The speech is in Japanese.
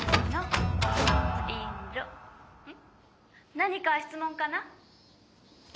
何か質問かな？